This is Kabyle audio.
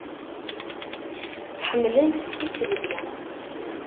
Ḥemmlen-tt s tisselbi.